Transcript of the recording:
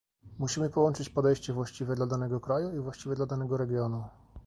Musimy połączyć podejście właściwe dla danego kraju i właściwe dla danego regionu